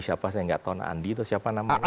siapa saya enggak tahu nandi atau siapa namanya